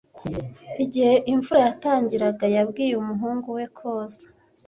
Igihe imvura yatangiraga, yabwiye umuhungu we koza.